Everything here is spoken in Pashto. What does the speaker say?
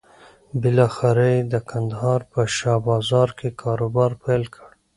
بالاخره یې د کندهار په شا بازار کې کاروبار پيل کړ.